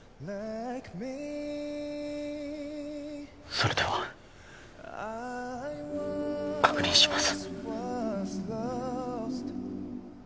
それでは確認します。